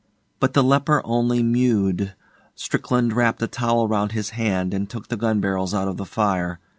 But the leper only mewed. Strickland wrapped a towel round his hand and took the gun barrels out of the fire.